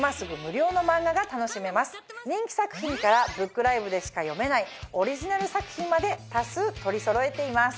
人気作品からブックライブでしか読めないオリジナル作品まで多数取りそろえています。